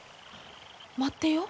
待ってよ。